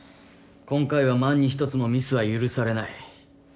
今回は万に一つもミスは許されない。